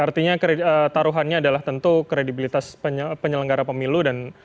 artinya taruhannya adalah tentu kredibilitas penyelenggara pemilu dan